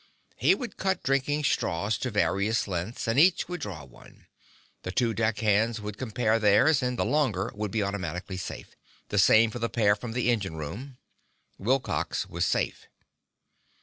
He would cut drinking straws to various lengths, and each would draw one. The two deck hands would compare theirs, and the longer would be automatically safe. The same for the pair from the engine room. Wilcox was safe.